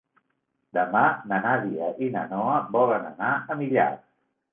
Demà na Nàdia i na Noa volen anar a Millars.